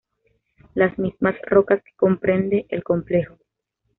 Las mismas rocas que comprende el complejo.